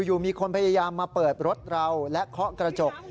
อยู่มีคนพยายามมาเปิดรถเราและเคาะกระจก